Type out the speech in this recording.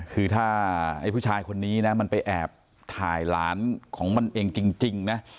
คือถ้าไอ้ผู้ชายคนนี้นะมันไปแอบถ่ายหลานของมันเองจริงนะ